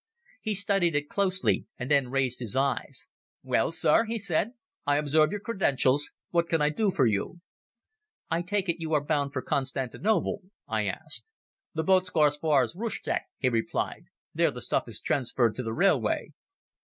He studied it closely and then raised his eyes. "Well, Sir?" he said. "I observe your credentials. What can I do for you?" "I take it you are bound for Constantinople?" I asked. "The boats go as far as Rustchuk," he replied. "There the stuff is transferred to the railway."